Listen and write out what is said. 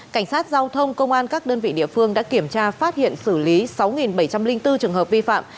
cảnh sát giao thông công an các đơn vị địa phương đã kiểm tra phát hiện xử lý sáu bảy trăm linh bốn trường hợp vi phạm